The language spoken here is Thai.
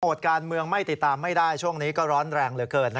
การเมืองไม่ติดตามไม่ได้ช่วงนี้ก็ร้อนแรงเหลือเกิน